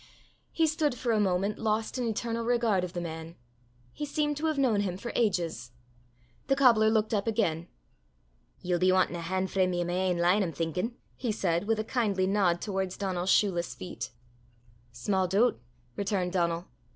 He stood for a moment lost in eternal regard of the man. He seemed to have known him for ages. The cobbler looked up again. "Ye'll be wantin' a han' frae me i' my ain line, I'm thinkin'!" he said, with a kindly nod towards Donal's shoeless feet. "Sma' doobt!" returned Donal.